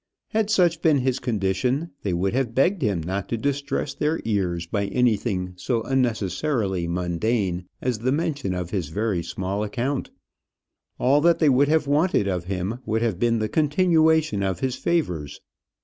Had such been his condition, they would have begged him not to distress their ears by anything so unnecessarily mundane as the mention of his very small account. All that they would have wanted of him would have been the continuation of his favours.